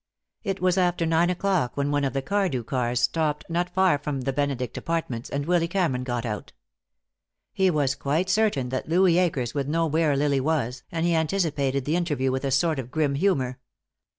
It was after nine o'clock when one of the Cardew cars stopped not far from the Benedict Apartments, and Willy Cameron got out. He was quite certain that Louis Akers would know where Lily was, and he anticipated the interview with a sort of grim humor.